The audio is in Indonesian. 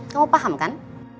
kamu paham kan